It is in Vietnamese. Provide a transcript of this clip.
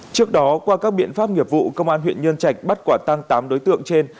trước đó qua các biện pháp nghiệp vụ công an huyện nhân trạch bắt quả tăng tám đối tượng trên